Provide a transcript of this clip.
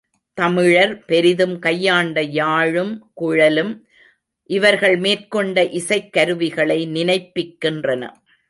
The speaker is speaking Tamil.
தமிழர் பெரிதும் கையாண்ட யாழும் குழலும் இவர்கள் மேற்கொண்ட இசைக் கருவிகளை நினைப்பிக்கின்றன.